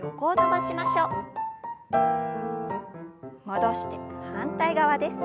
戻して反対側です。